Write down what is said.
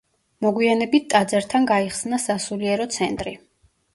მოგვიანებით ტაძართან გაიხსნა სასულიერო ცენტრი.